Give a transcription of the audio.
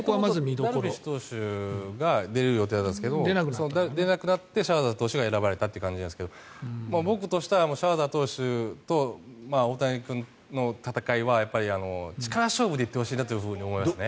ダルビッシュ投手が出る予定だったんですが出なくなってシャーザー投手が選ばれたという感じですが僕としてはシャーザー投手と大谷君の戦いは力勝負で行ってほしいなと思いますね。